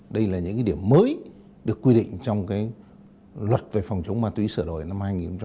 đây là những điểm mới được quy định trong luật phòng chống ma túy sửa đổi năm hai nghìn hai mươi một